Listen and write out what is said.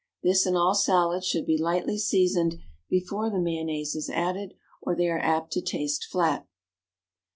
This and all salads should be lightly seasoned before the mayonnaise is added, or they are apt to taste flat.